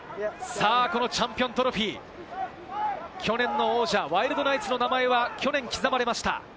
このチャンピオントロフィー、去年の王者・ワイルドナイツの名前は去年刻まれました。